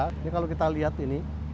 ini kalau kita lihat ini